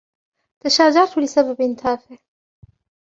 تشاجرت لسبب تافه.